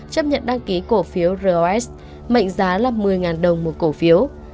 chấp nhận đăng ký cổ phiếu ros mệnh giá là một mươi đồng một cổ phiếu